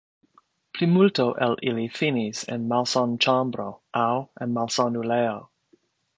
Plimulto el ili finis en malsanĉambro aŭ en malsanulejo.